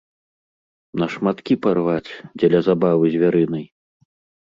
На шматкі парваць, дзеля забавы звярынай.